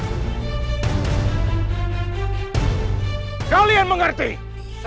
mereka kemudian dimovil dari sadr